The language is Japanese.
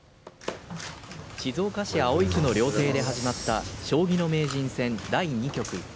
静岡市葵区の料亭で始まった将棋の名人戦第２局。